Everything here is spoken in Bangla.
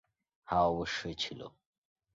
হ্যাঁ, অবশ্যই ছিল।